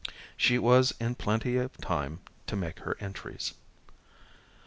She was in plenty of time to make her entries.